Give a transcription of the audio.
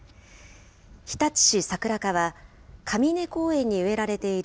日立市さくら課は、かみね公園に植えられている